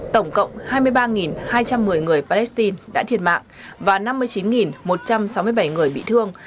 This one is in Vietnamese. tổng cộng hai mươi ba hai trăm một mươi người palestine đã thiệt mạng và năm mươi chín một trăm sáu mươi bảy người bị thương